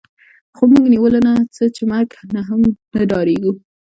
خو موږ نیولو نه څه چې مرګ نه هم نه ډارېږو